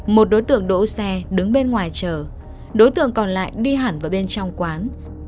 một đối tượng đỗ xe đứng bên ngoài chờ đối tượng còn lại đi hẳn vào bên trong quán